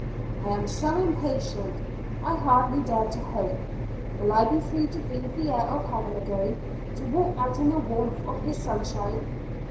I am so impatient! I hardly dare to hope. Will I be free to breathe the air of heaven again, to walk out in the warmth of His sunshine?